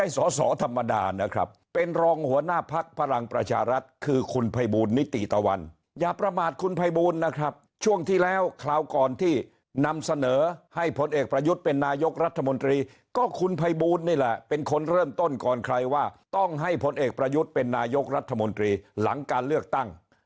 สอสอธรรมดานะครับเป็นรองหัวหน้าพักพลังประชารัฐคือคุณภัยบูลนิติตะวันอย่าประมาทคุณภัยบูลนะครับช่วงที่แล้วคราวก่อนที่นำเสนอให้พลเอกประยุทธ์เป็นนายกรัฐมนตรีก็คุณภัยบูลนี่แหละเป็นคนเริ่มต้นก่อนใครว่าต้องให้ผลเอกประยุทธ์เป็นนายกรัฐมนตรีหลังการเลือกตั้ง